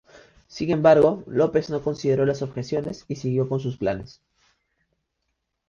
Sin embargo, López no consideró las objeciones y siguió con sus planes.